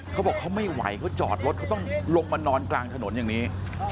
เขาบอกเขาไม่ไหวเขาจอดรถเขาต้องลงมานอนกลางถนนอย่างนี้